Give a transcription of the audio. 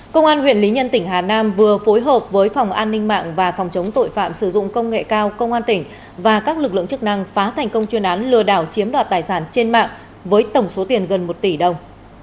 công an huyện lý nhân tỉnh hà nam vừa phối hợp với phòng an ninh mạng và phòng chống tội phạm sử dụng công nghệ cao công an tỉnh và các lực lượng chức năng phá thành công chuyên án lừa đảo chiếm đoạt tài sản trên mạng với tổng số tiền gần một tỷ đồng